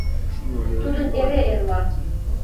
Тудын эре «эрла».